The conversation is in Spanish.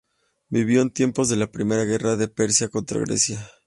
Vivió en tiempos de la primera guerra de Persia contra Grecia.